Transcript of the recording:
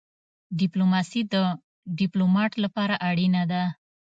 ډيپلوماسي د ډيپلومات لپاره اړینه ده.